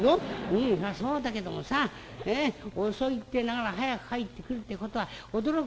「うんそうだけどもさ遅いって言いながら早く帰ってくるってことは驚くよ」。